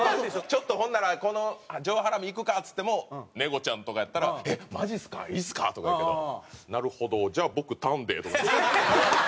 「ちょっとほんならこの上ハラミいくか」っつってもネゴちゃんとかやったら「えっマジっすか？いいっすか？」とか言うけど「なるほど。じゃあ僕タンで」。